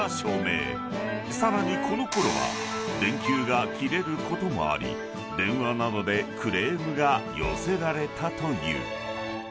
［さらにこのころは電球が切れることもあり電話などでクレームが寄せられたという］